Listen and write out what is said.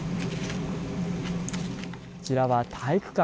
こちらは体育館。